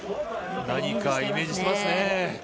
何かイメージしていますね。